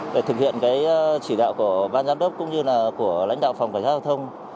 để thực hiện cái chỉ đạo của ban giám đốc cũng như là của lãnh đạo phòng cảnh sát giao thông